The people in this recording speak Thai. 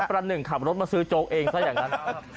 ประหนึ่งขับรถมาซื้อโจ๊กเองซะอย่างนั้น